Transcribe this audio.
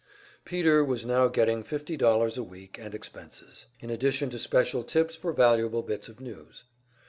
Peter was now getting fifty dollars a week and expenses, in addition to special tips for valuable bits of news.